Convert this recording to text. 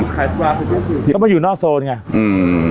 หลายครั้งขายสุราคือเช่นที่เพิ่งก็มาอยู่นอกซนไงอืม